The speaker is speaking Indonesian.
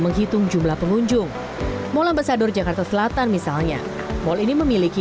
menghitung jumlah pengunjung mal ambasador jakarta selatan misalnya mal ini memiliki